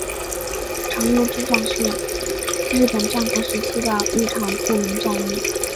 长筱之战是是日本战国时期的一场著名战役。